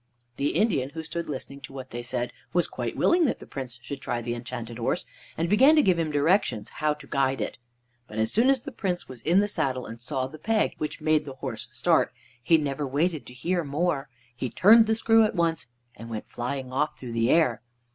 The Indian, who stood listening to what they said, was quite willing that the Prince should try the Enchanted Horse, and began to give him directions how to guide it. But as soon as the Prince was in the saddle and saw the peg which made the horse start, he never waited to hear more. He turned the screw at once, and went flying off through the air.